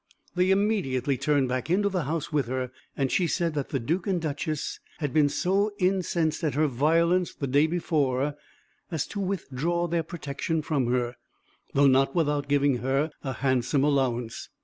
They immediately turned back into the house with her; and she said that the Duke and Duchess had been so incensed at her violence the day before, as to withdraw their protection from her, though not without giving her a handsome allowance.